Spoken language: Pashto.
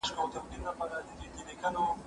زه به اوږده موده د زده کړو تمرين کړی وم،